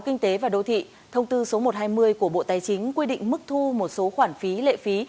kinh tế và đô thị thông tư số một trăm hai mươi của bộ tài chính quy định mức thu một số khoản phí lệ phí